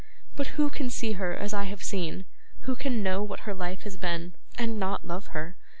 But who can see her as I have seen, who can know what her life has been, and not love her?